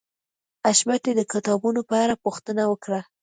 حشمتي د کتابونو په اړه پوښتنه وکړه